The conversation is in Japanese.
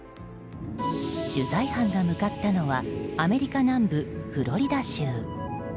取材班が向かったのはアメリカ南部フロリダ州。